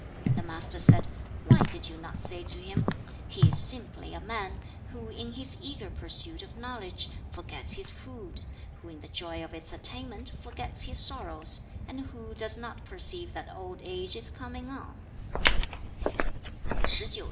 The Master said, 'Why did you not say to him, He is simply a man, who in his eager pursuit (of knowledge) forgets his food, who in the joy of its attainment forgets his sorrows, and who does not perceive that old age is coming on?'